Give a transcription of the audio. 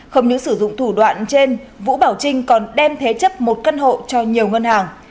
không những sử dụng thủ đoạn trên vũ bảo trinh còn đem thế chấp một căn hộ cho nhiều ngân hàng